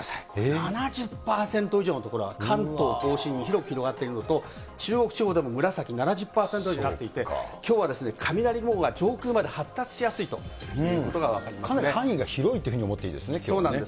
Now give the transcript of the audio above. ７０％以上の所が、関東甲信に広く広がっているのと、中国地方でも紫、７０％になっていて、きょうは雷雲が上空まで発達しやすいというかなり範囲が広いというふうそうなんです。